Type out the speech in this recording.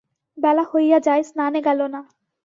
বেলা হইয়া যায়, স্নানে গেল না।